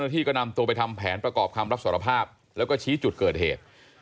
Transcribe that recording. ที่ก็นำตัวไปทำแผนประกอบคำรับสารภาพแล้วก็ชี้จุดเกิดเหตุ